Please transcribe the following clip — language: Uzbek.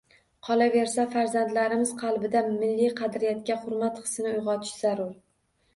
Qolaversa, farzandlarimiz qalbida milliy qadriyatlarga hurmat hisini uyg‘otish zarur.